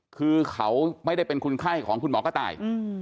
คือเขาไม่ได้เป็นคนไข้ของคุณหมอกระต่าย